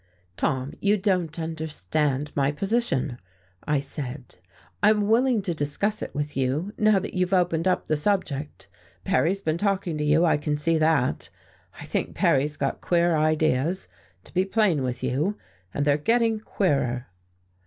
"Tom, you don't understand my position," I said. "I'm willing to discuss it with you, now that you've opened up the subject. Perry's been talking to you, I can see that. I think Perry's got queer ideas, to be plain with you, and they're getting queerer."